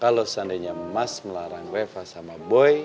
kalau seandainya mas melarang reva sama boy